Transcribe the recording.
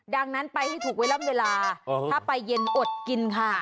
ดังนั้นไปให้ถูกเวลาถ้าไปเย็นอดกินค่ะ